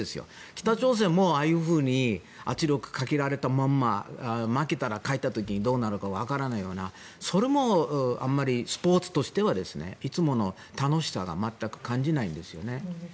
北朝鮮もああいうふうに圧力をかけられたまんま負けたら帰った時にどうなるかわからないようなそれもあまりスポーツとしてはいつもの楽しさが全く感じないんですよね。